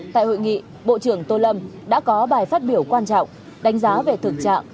tại hội nghị bộ trưởng tô lâm đã có bài phát biểu quan trọng đánh giá về thực trạng